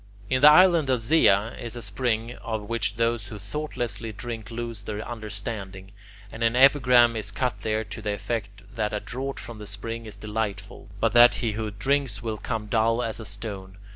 In the island of Zea is a spring of which those who thoughtlessly drink lose their understanding, and an epigram is cut there to the effect that a draught from the spring is delightful, but that he who drinks will become dull as a stone.